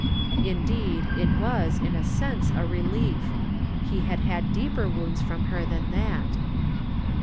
In deed, it was, in a sense, a relief. He had had deeper wounds from her than that.